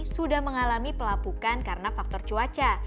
sudah mengalami pelapukan karena faktor cuaca